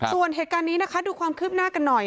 ส่วนเหตุการณ์นี้นะคะดูความคืบหน้ากันหน่อย